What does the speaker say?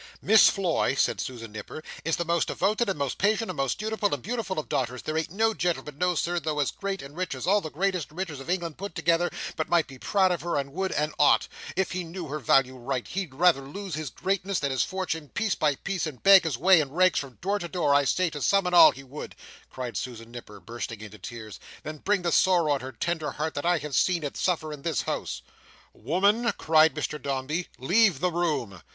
"Miss Floy," said Susan Nipper, "is the most devoted and most patient and most dutiful and beautiful of daughters, there ain't no gentleman, no Sir, though as great and rich as all the greatest and richest of England put together, but might be proud of her and would and ought. If he knew her value right, he'd rather lose his greatness and his fortune piece by piece and beg his way in rags from door to door, I say to some and all, he would!" cried Susan Nipper, bursting into tears, "than bring the sorrow on her tender heart that I have seen it suffer in this house!" "Woman," cried Mr Dombey, "leave the room."